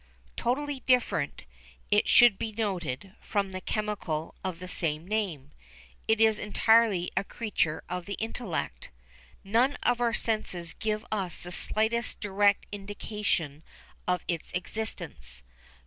Totally different, it should be noted, from the chemical of the same name, it is entirely a creature of the intellect. None of our senses give us the slightest direct indication of its existence.